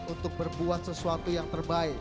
untuk berbuat sesuatu yang terbaik